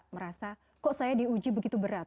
merasa kok saya diuji begitu berat